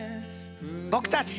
僕たち。